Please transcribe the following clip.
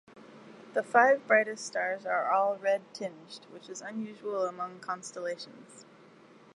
The five brightest stars are all red-tinged, which is unusual among constellations.